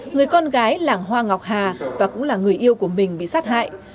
người con gái là hoa ngọc hà và cũng là người yêu của mình bị sát hại